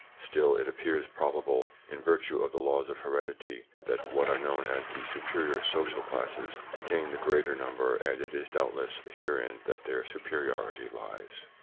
Still it appears probable, in virtue of the laws of heredity, that what are known as the superior social classes contain the greater number, and it is doubtless herein that their superiority lies.